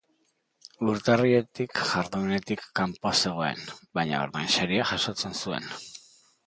Urtarriletik jardunetik kanpo zegoen, baina ordainsaria jasotzen zuen.